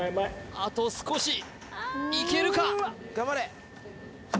あと少しいけるか？